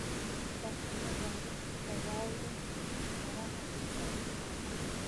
راکټ له واورې، باران او باد سره مقاومت کوي